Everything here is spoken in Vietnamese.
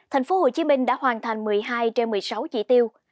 tp hcm đã hoàn thành một mươi hai trên một mươi sáu chỉ tiêu